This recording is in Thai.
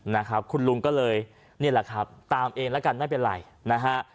นะครับคุณลุงก็เลยนี่แหละครับตามเองแล้วกันไม่เป็นไรนะฮะ